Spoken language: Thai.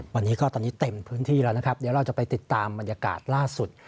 วันนี้ก็ตอนนี้เต็มพื้นที่แล้วนะครับเดี๋ยวเราจะไปติดตามบรรยากาศล่าสุด